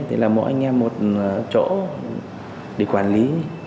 thì là mỗi anh em một chỗ để quản lý